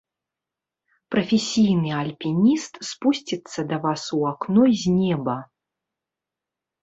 Прафесійны альпініст спусціцца да вас у акно з неба.